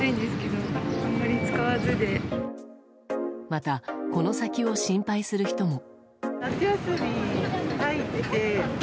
また、この先を心配する人も。